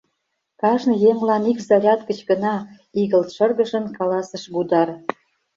Кажне еҥлан ик заряд гыч гына, — игылт шыргыжын, каласыш Гудар.